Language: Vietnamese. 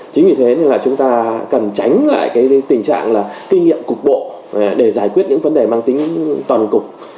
chính vì thế nên là chúng ta cần tránh lại cái tình trạng là kinh nghiệm cục bộ để giải quyết những vấn đề mang tính toàn cục